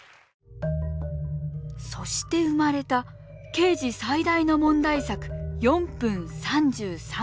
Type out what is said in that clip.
そして生まれたケージ最大の問題作「４分３３秒」。